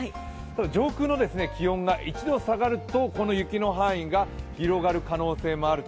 上空の気温が１度下がるとこの雪の範囲が広がる可能性もあると。